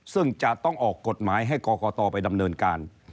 ซึ่งจะต้องออกกฎหมายให้กรกตไปดำเนินการ